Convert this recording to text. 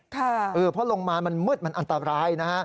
เพราะลงมามันมืดมันอันตรายนะฮะ